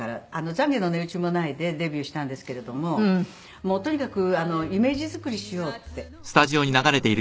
『ざんげの値打ちもない』でデビューしたんですけれどももうとにかくイメージ作りしようっていう事でイメージを。